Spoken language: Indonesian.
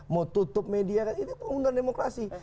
mau tutup media kan ini pengundang demokrasi